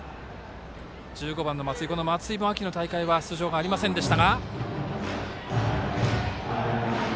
１５番の松井も秋の大会は出場がありませんでした。